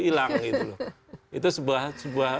hilang itu sebuah